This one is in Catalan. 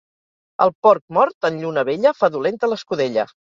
El porc mort en lluna vella fa dolenta l'escudella.